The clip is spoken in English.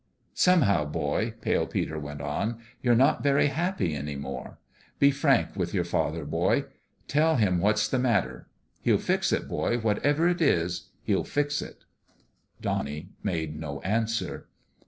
"Somehow, boy," Pale Peter went on, <( you're not very happy any more. Be frank with your 294 FATHER AND SON father, boy. Tell him what's the matter. He'll fix it, boy ; whatever it is, he'll fix it." Donnie made no answer.